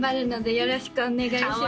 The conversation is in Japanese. よろしくお願いします